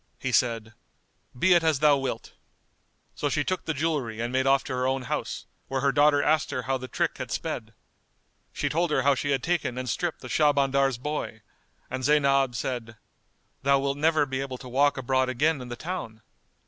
He said, "Be it as thou wilt!" So she took the jewellery and made off to her own house, where her daughter asked her how the trick had sped. She told her how she had taken and stripped the Shahbandar's boy, and Zaynab said, "Thou wilt never be able to walk abroad again in the town."